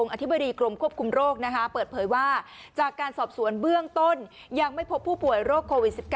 อธิบดีกรมควบคุมโรคเปิดเผยว่าจากการสอบสวนเบื้องต้นยังไม่พบผู้ป่วยโรคโควิด๑๙